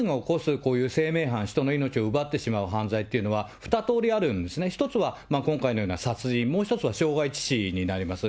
こういう犯罪、人の命を奪ってしまう犯罪というのは、二とおりあるんですね、１つは殺人、もう１つは傷害致死になります。